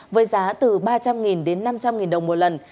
với giá từ ba trăm linh đến năm trăm linh đồng một lần